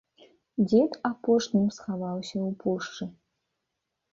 Дзед апошнім схаваўся ў пушчы.